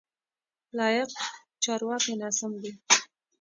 لایق: چارواکی ناسم دی.